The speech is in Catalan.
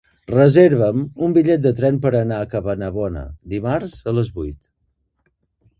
Reserva'm un bitllet de tren per anar a Cabanabona dimarts a les vuit.